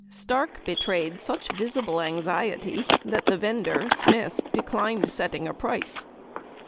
Stark betrayed such visible anxiety that the vendor, Smith, declined setting a price.